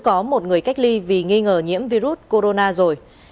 có một người cách ly vì nghi ngờ nhiễm ncov rồi